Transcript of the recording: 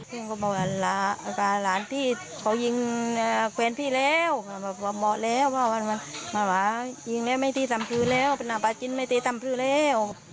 พี่ก็บอกว่าหลานพี่เขายิงแควนพี่แล้วหมดแล้วว่าหลานพี่ยิงแล้วไม่ได้ตามพื้นแล้วน้ำปลาจิ้นไม่ได้ตามพื้นแล้ว